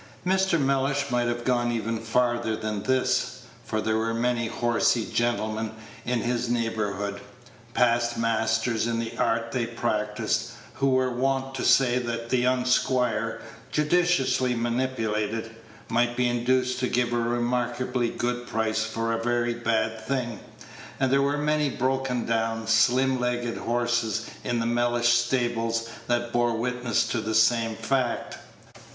Mr. Mellish might have gone even farther than this, for there were many horsey gentlemen in his neighborhood, past masters in the art they practised, who were wont to say that the young squire, judiciously manipulated, might be induced to give a remarkably good price for a very bad thing, and there were many broken down, slim legged horses in the Mellish stables that bore witness to the same fact.